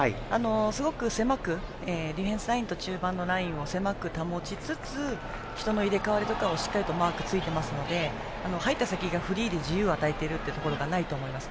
すごく狭くディフェンスラインと中盤のラインを狭く保ちつつ人の入れ替わりとかにもしっかりマークついていますので入った先がフリーで自由を与えているところがないと思います。